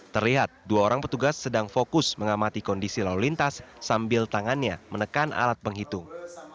terlihat dua orang petugas sedang fokus mengamati kondisi lalu lintas sambil tangannya menekan alat penghitung